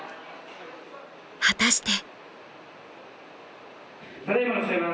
［果たして］